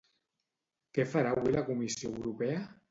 Què farà avui la Comissió Europea?